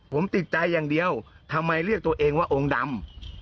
ผมติดใจอย่างเดียวทำไมเรียกตัวเองว่าองค์ดำ